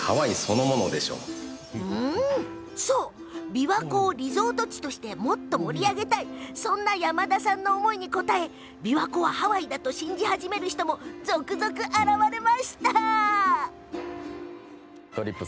琵琶湖をリゾート地としてもっと盛り上げたいそんな山田さんの思いに応え琵琶湖はハワイだと信じ始める人々も続々、現れました。